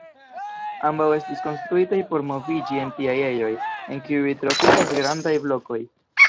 Ambaŭ estis konstruitaj por moviĝi en tiaj ejoj, en kiuj troviĝas grandaj blokoj.